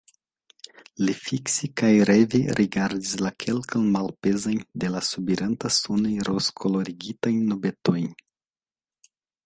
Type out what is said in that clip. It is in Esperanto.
Li fikse kaj reve rigardis la kelkajn malpezajn de la subiranta suno rozkolorigitajn nubetojn.